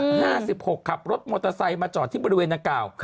๑๕๑๖ปีขับรถมอเตอร์ไซค์มาจอดที่บริเวณนางกาว